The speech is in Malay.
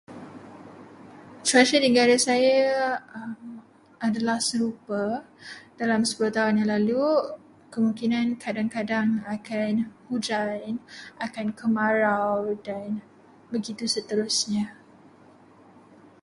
Cuaca di negara saya adalah serupa dalam sepuluh tahun yang lalu. Kemungkinan kadang-kadang akan hujan, akan kemarau dan begitu seterusnya.